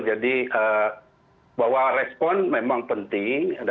jadi bahwa respon memang penting